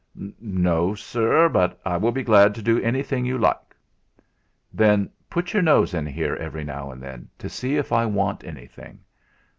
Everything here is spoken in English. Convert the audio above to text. "No, sirr; but I will be glad to do anything you like." "Then put your nose in here every now and then, to see if I want anything.